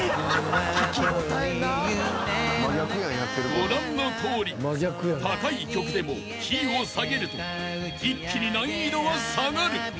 ［ご覧のとおり高い曲でもキーを下げると一気に難易度は下がる］